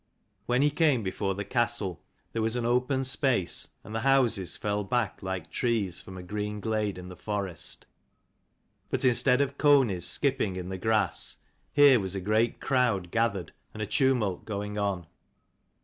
When he came before the castle there was an open space, and the houses fell back like trees from a green glade in the forest. But instead of coneys skipping in the grass, here was a great crowd gathered and a tumult going on.